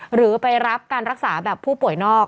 หรือไปรับการรักษาแบบผู้ป่วยนอก